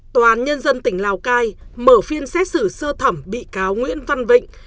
tòa án nhân dân tỉnh lào cai mở phiên xét xử sơ thẩm bị cáo nguyễn văn vịnh